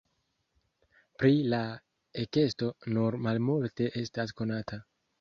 Pri la ekesto nur malmulte estas konata.